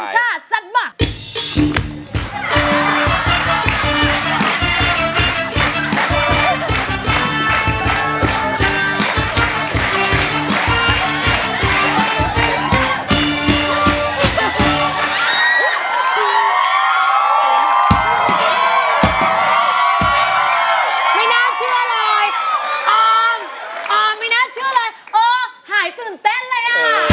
น่าเชื่อเลยออมออมไม่น่าเชื่อเลยเออหายตื่นเต้นเลยอ่ะ